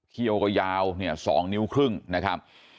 เคี่ยวก็ยาว๒นิ้วครึ่งนะครับ